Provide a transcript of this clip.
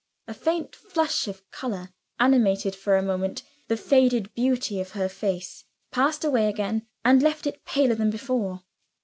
A faint flush of color animated for a moment the faded beauty of her face passed away again and left it paler than before.